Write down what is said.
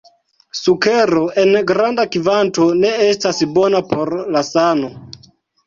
Sukero en granda kvanto ne estas bona por la sano.